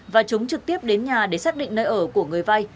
và chúng trực tiếp đến nhà để xác định nơi ở của người vay